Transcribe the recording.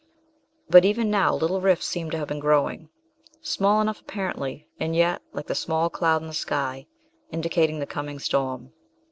But even now little rifts seem to have been growing, small enough apparently, and yet, like the small cloud in the sky, indicating the coming storm.